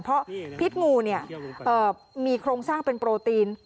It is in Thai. เพราะพิษงูมีโครงสร้างเป็นโปรตีน